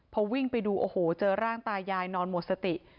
พอวิ่งไปดูโอ้โหเจอร่างตายายนอนหมดสติ